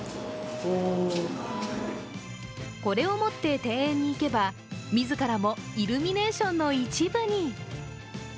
これを持って庭園に行けば自らもイルミネーションの一部に。